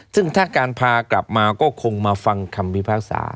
ซึ่งถ้าการพากลับมาก็คงมาฟังคำพิพากษา